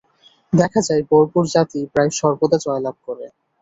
দেখা যায়, বর্বর জাতিই প্রায় সর্বদা জয়লাভ করে।